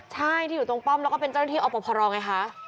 ใช่ที่อยู่ตรงป้อมแล้วก็เป็นเจ้าหน้าที่อบพรไงคะ